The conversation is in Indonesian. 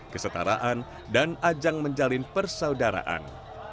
kesetaraan dan ajang menjalin persaudaraan